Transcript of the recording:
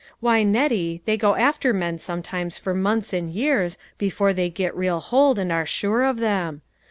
Why, Nettie, they go after tnen sometimes for months and years before they get real hold and are sure of them.